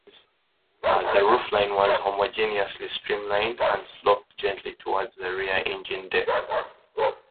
The roof line was homogeneously streamlined and sloped gently towards the rear engine deck.